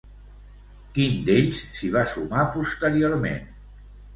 Quin d'ells s'hi va sumar posteriorment?